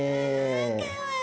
あかわいい。